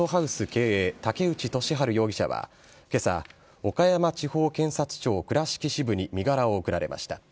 経営武内俊晴容疑者は今朝、岡山地方検察庁倉敷支部に身柄を送られました。